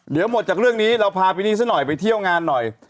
เดี๋ยวหมดจากเรื่องนี้เราพาไปนี่ซะหน่อยไปเที่ยวงานหน่อย